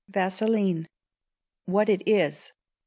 Vaseline. What it is.